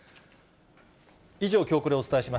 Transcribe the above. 以上、きょうコレをお伝えし